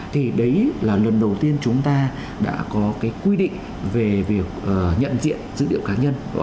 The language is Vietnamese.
thì đấy là lần đầu tiên chúng ta đã có cái quy định về việc nhận diện dữ liệu cá nhân